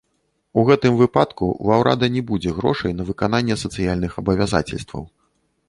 У гэтым выпадку ва ўрада не будзе грошай на выкананне сацыяльных абавязацельстваў.